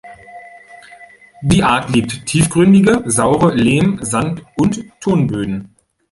Die Art liebt tiefgründige saure Lehm-, Sand- und Tonböden.